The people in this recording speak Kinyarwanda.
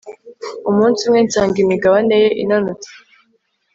Umunsi umwe nsanga imigabane ye inanutse